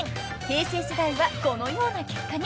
［平成世代はこのような結果に］